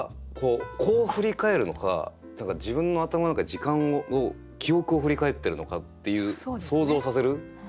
こう振り返るのか自分の頭の中で時間を記憶を振り返ってるのかっていう想像させる。